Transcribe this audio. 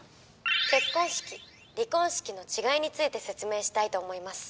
結婚式離婚式の違いについて説明したいと思います